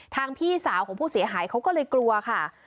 พี่สาวของผู้เสียหายเขาก็เลยกลัวค่ะ